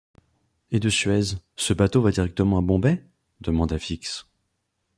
Et de Suez, ce bateau va directement à Bombay? demanda Fix.